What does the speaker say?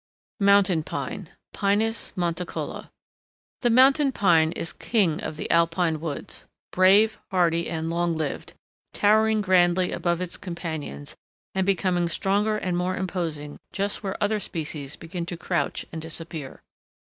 MOUNTAIN PINE (Pinus monticola) The Mountain Pine is king of the alpine woods, brave, hardy, and long lived, towering grandly above its companions, and becoming stronger and more imposing just where other species begin to crouch and disappear.